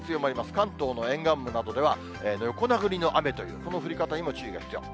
関東の沿岸部などでは、横殴りの雨という、この降り方にも注意が必要。